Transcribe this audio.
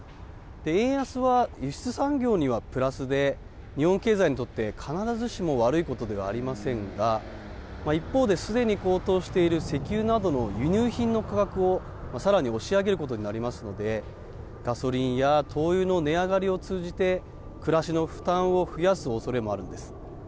円安は輸出産業にはプラスで、日本経済にとって必ずしも悪いことではありませんが、一方で、すでに高騰している石油などの輸入品の価格を、さらに押し上げることになりますので、ガソリンや灯油の値上がりを通じて、暮らしの負担を増やすおそれもあるんです。